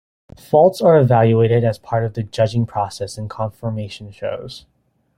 "Faults" are evaluated as part of the judging process in conformation shows.